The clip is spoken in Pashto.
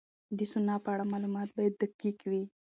د سونا په اړه معلومات باید دقیق وي.